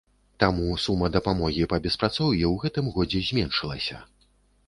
Таму сума дапамогі па беспрацоўі ў гэтым годзе зменшылася.